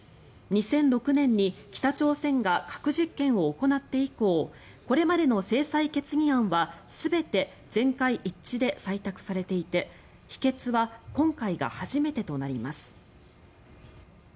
２００６年に北朝鮮が核実験を行って以降これまでの制裁決議案は全て全会一致で採択されていて否決は今回が初めてとなります。